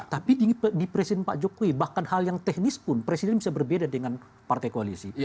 tapi di presiden pak jokowi bahkan hal yang teknis pun presiden bisa berbeda dengan partai koalisi